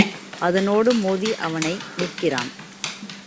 அதனோடு மோதி அவனை மீட்கிறான்.